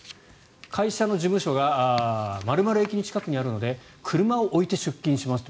会社の事務所が○○駅近くにあるので車を置いて出勤しますと。